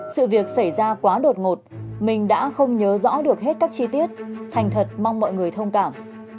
sự việc xảy ra quá đột ngột mình đã không nhớ rõ được hết các chi tiết thành thật mong mọi người thông cảm